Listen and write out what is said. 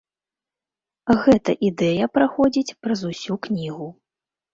Гэта ідэя праходзіць праз усю кнігу.